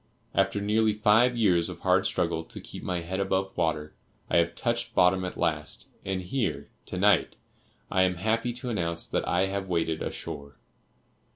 After nearly five years of hard struggle to keep my head above water, I have touched bottom at last, and here, to night, I am happy to announce that I have waded ashore.